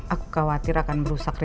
aku khawatir akan merusak